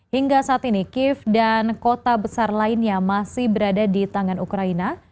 hingga saat ini kiev dan kota besar lainnya masih berada di tangan ukraina